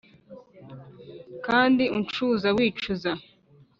kandi uncuza wicuza